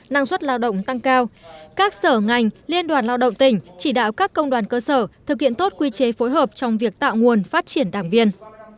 năng suất lao động tăng cao các sở ngành liên đoàn lao động tỉnh chỉ đạo các công đoàn cơ sở thực hiện tốt quy chế phối hợp trong việc tạo nguồn phát triển đảng viên